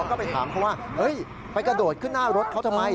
ก็ไปถามเขาว่าไปกระโดดขึ้นหน้ารถเขาทำไม